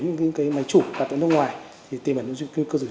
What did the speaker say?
những máy chủ hoạt động nước ngoài tìm hiểu những nguy cơ rủi ro